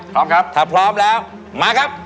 พร้อมครับถ้าพร้อมแล้วมาครับ